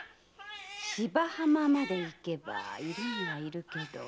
芝浜まで行けばいるにはいるけど。